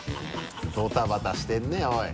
ドタバタしてるねおい。